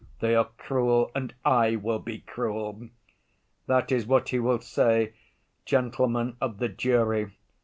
They are cruel and I will be cruel.' That is what he will say, gentlemen of the jury.